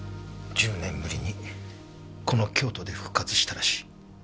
１０年ぶりにこの京都で復活したらしい。